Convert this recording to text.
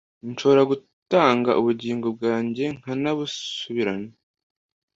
nshobora gutanga ubugingo bwanjye, nkanabusubirana.